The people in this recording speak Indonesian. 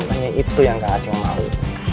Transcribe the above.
hanya itu yang kang aceng mau